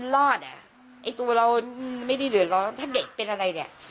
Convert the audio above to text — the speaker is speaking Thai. รอดอ่ะไอ้ตัวเราไม่ได้เดือดร้อนถ้าเด็กเป็นอะไรเนี่ย